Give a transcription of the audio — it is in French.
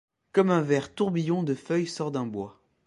Comme un vert tourbillon de feuilles sort d’un bois